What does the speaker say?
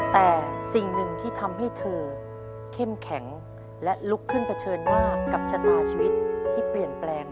แต่สิ่งหนึ่งที่ทำให้เธอเข้มแข็งและลุกขึ้นเผชิญหน้ากับชะตาชีวิตที่เปลี่ยนแปลง